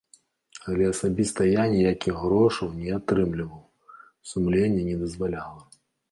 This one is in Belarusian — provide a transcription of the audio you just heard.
Але асабіста я ніякіх грошаў не атрымліваў, сумленне не дазваляла.